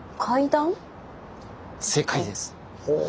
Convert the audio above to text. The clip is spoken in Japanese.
正解です。